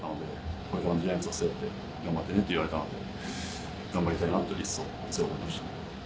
これからジャイアンツを背負って頑張ってねと言われたので、頑張りたいなと強く思いました。